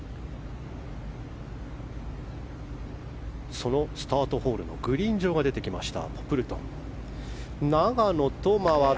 そのスタートホールのグリーン上が出てきました。